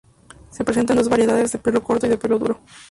Se presenta en dos variedades de pelo corto y de pelo duro.